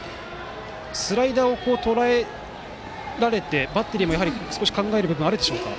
スライダーをとらえられてバッテリーも、やはり少し考える部分があるでしょうか。